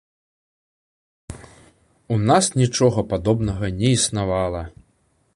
У нас нічога падобнага не існавала.